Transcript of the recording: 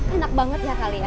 enak banget ya kalian